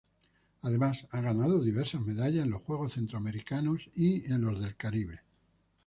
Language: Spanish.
Además, ha ganado diversas medallas en los Juegos Centroamericanos y del Caribe.